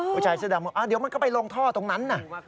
ผู้ชายเสื้อดำบอกเดี๋ยวมันก็ไปลงท่อตรงนั้นน่ะ